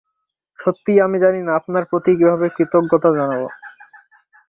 সত্যিই আমি জানি না আপনার প্রতি কীভাবে কৃতজ্ঞতা জানাবো।